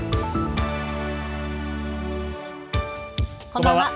こんばんは。